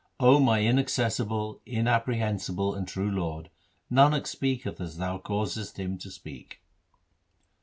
O my inaccessible, inapprehensible, and true Lord, Nanak speaketh as Thou causest him to speak.'